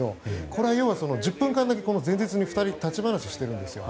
これは１０分間だけ前日に２人で立ち話をしているんですよ。